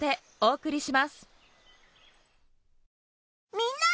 みんな！